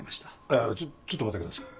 いやちょっちょっと待ってください。